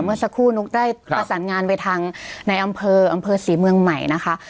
เมื่อสักครู่นุ๊กได้ประสานงานไปทางในอำเภออำเภอศรีเมืองใหม่นะคะ